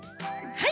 はい！